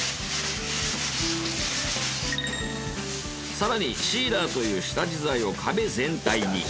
更にシーラーという下地材を壁全体に。